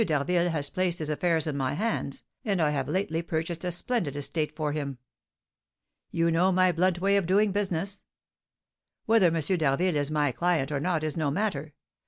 d'Harville has placed his affairs in my hands, and I have lately purchased a splendid estate for him. You know my blunt way of doing business? Whether M. d'Harville is my client or not is no matter.